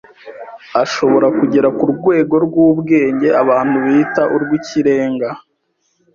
ashobora kugera ku rwego rw’ubwenge abantu bita urw’ikirenga